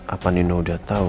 apa nino udah tau